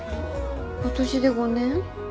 今年で５年。